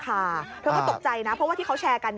เธอก็ตกใจนะเพราะว่าที่เขาแชร์กัน